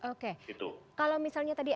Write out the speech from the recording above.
oke kalau misalnya tadi